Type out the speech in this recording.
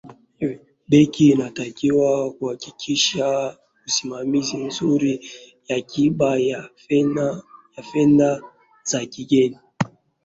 benki inatakiwa kuhakikisha usimamizi mzuri wa akiba ya fedha za kigeni